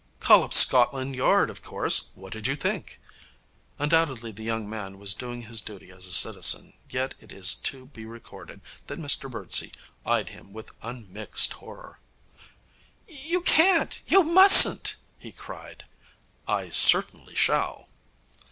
'Call up Scotland Yard, of course. What did you think?' Undoubtedly the young man was doing his duty as a citizen, yet it is to be recorded that Mr Birdsey eyed him with unmixed horror. 'You can't! You mustn't!' he cried. 'I certainly shall.'